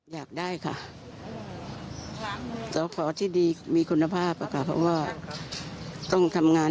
อยากได้ค่ะสอสอที่ดีมีคุณภาพค่ะเพราะว่าต้องทำงาน